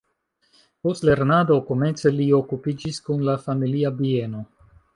Post lernado komence li okupiĝis kun la familia bieno.